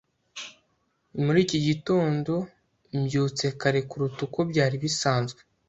Muri iki gitondo mbyutse kare kuruta uko byari bisanzwe.